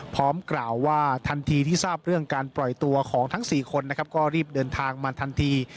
พร้อมกล่าวว่าทันทีที่ทราบเรื่องการปล่อยตัวของทั้ง๔คนนะครับก็รีบเดินทางมาทันที